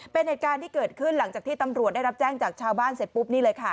เป็นเหตุการณ์ที่เกิดขึ้นหลังจากที่ตำรวจได้รับแจ้งจากชาวบ้านเสร็จปุ๊บนี่เลยค่ะ